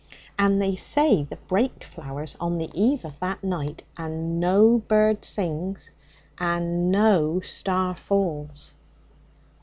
And they say the brake flowers on the eve of that night, and no bird sings and no star falls.'